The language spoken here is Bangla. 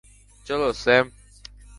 চলো, স্যাম।